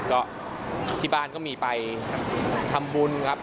ก็ที่บ้านก็มีไปทำบุญครับ